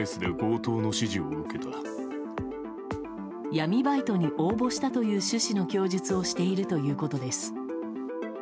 闇バイトに応募したという趣旨の供述をしているということです。